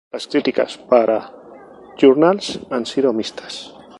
Las críticas para "Journals" han sido mixtas.